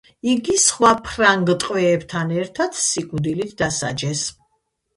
იგი სხვა ფრანგ ტყვეებთან ერთად სიკვდილით დასაჯეს.